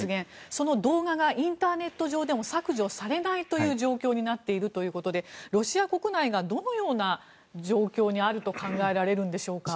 その動画がインターネット上でも削除されないという状況になっているということでロシア国内がどのような状況にあると考えられるんでしょうか。